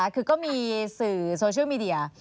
คือก็มีสื่อโซเชียลมีเดีย